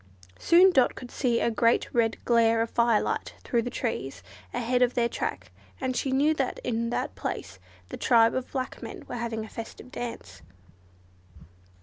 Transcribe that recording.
Soon Dot could see a great red glare of firelight through the trees ahead of their track, and she knew that in that place the tribe of black men were having a festive dance.